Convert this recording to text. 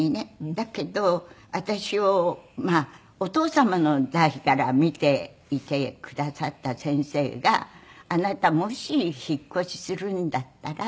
だけど私をお父様の代から見ていてくださった先生が「あなたもし引っ越しするんだったら」。